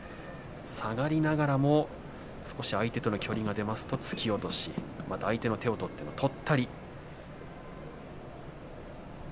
下がりながらも少し相手との距離が出ますと突き落としまた相手の手を取ってのとったり。